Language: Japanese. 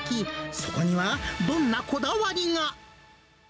そこにはどんなこだわりが。